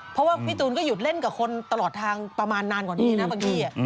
เพราะว่าพี่ตูนก็หยุดเล่นกับคนตลอดทางประมาณนานกว่านี้นะบางที